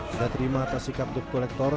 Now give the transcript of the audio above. tidak terima atas sikap dep kolektor